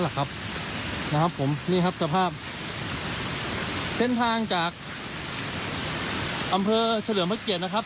นะครับนะครับผมนี่ครับสภาพเส้นทางจากอำเภอเฉลิมพระเกียรตินะครับ